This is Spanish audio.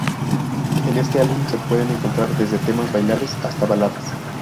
En este álbum se pueden encontrar desde temas bailables hasta baladas.